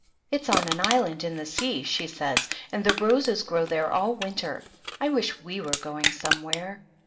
It's on an island in the sea, she says, and the roses grow there all winter. I wish we were going somewhere."